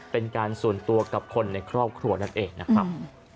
เป็นการส่วนตัวกับคนในครอบครัวนั่นเองนะครับ